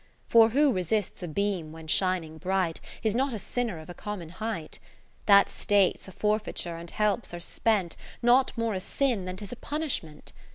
For who resists a beam when shin ing bright. Is not a sinner of a common height. That state 's a forfeiture, and helps are spent, Not more a Sin, than 'tis a punish ment.